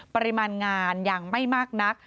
ปริมาณงานยังไม่มากนัก